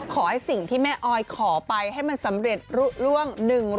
ขอให้สิ่งที่แม่ออยขอไปให้มันสำเร็จล่วง